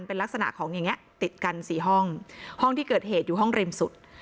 เป็นลักษณะของอย่างนี้ติดกันสี่ห้องห้องที่เกิดเหตุอยู่ห้องริมสุด